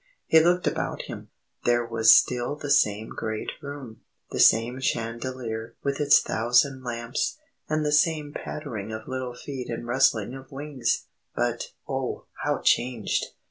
He looked about him. There was still the same great room, the same chandelier with its thousand lamps, the same pattering of little feet and rustling of wings! But, oh, how changed!